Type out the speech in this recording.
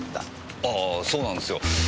ああそうなんですよ。